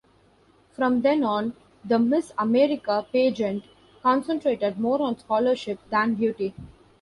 From then on the Miss America pageant concentrated more on scholarship than beauty.